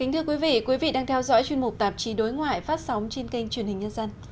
thưa quý vị quý vị đang theo dõi chuyên mục tạp chí đối ngoại phát sóng trên kênh truyền hình nhân dân